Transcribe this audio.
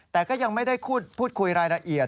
แต่ก็ยังไม่ได้พูดคุยรายละเอียด